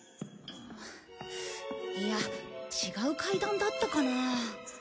いや違う階段だったかな？